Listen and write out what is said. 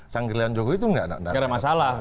sanggerian jokowi itu enggak ada masalah